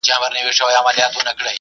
د یار سترګو نه حیا کړم راته وایه مینتوبه